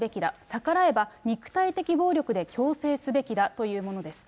逆らえば、肉体的暴力で矯正すべきだというものです。